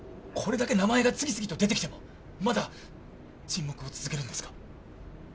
これだけ名前が次々と出てきてもまだ沈黙を続けるんですか？